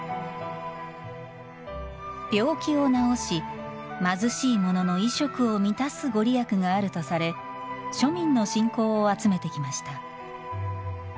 「病気を治し貧しい者の衣食を満たす」御利益があるとされ庶民の信仰を集めてきました。